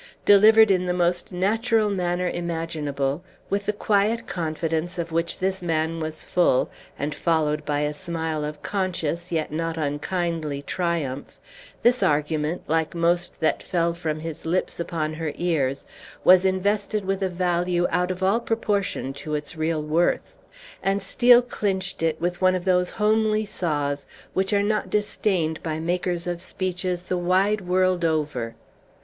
Delivered in the most natural manner imaginable, with the quiet confidence of which this man was full, and followed by a smile of conscious yet not unkindly triumph, this argument, like most that fell from his lips upon her ears, was invested with a value out of all proportion to its real worth; and Steel clinched it with one of those homely saws which are not disdained by makers of speeches the wide world over.